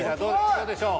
どうでしょう？